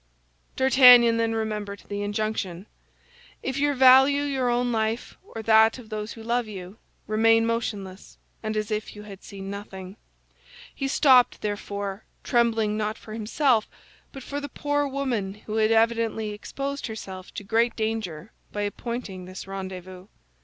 D'Artagnan then remembered the injunction: "If you value your own life or that of those who love you, remain motionless, and as if you had seen nothing." He stopped, therefore, trembling not for himself but for the poor woman who had evidently exposed herself to great danger by appointing this rendezvous.